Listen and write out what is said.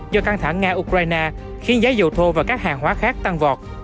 do căng thẳng nga ukraine khiến giá dầu thô và các hàng hóa khác tăng vọt